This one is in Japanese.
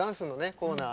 コーナー